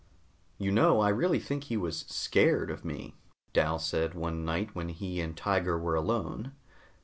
"You know, I really think he was scared of me," Dal said one night when he and Tiger were alone.